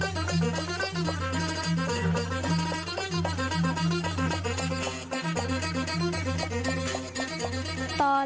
กลับมาที่สุดท้าย